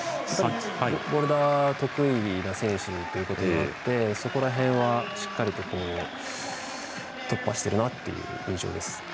ボルダー得意な選手ということでそこら辺は、しっかりと突破しているなという印象です。